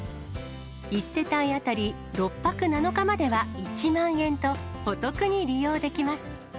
１世帯当たり６泊７日までは１万円と、お得に利用できます。